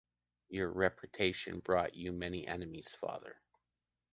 Your reputation brought you many enemies, father...